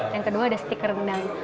yang kedua ada stiker rendang